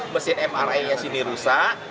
mesin mri nya sini rusak